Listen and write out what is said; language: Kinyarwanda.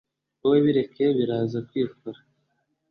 Wowe bireke biraza kwikora